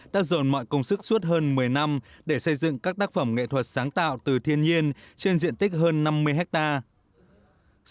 đã dồn mọi công sức hơn một mươi năm để xây dựng các tác phẩm nghệ thuật sáng tạo từ thiên nhiên trên diện tích hơn năm mươi hectare